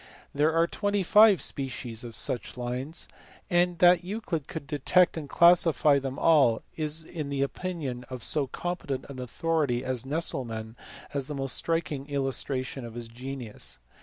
There are twenty five species of such lines, and that Euclid could detect and classify them all is in the opinion of so competent an authority as Nesselmann the most striking illustration of his genius.